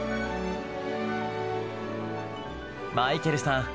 マイケルさん